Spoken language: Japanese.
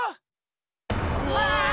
うわ！